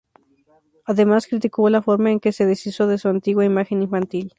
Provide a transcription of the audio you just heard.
Además criticó la forma en que se deshizo de su antigua imagen infantil.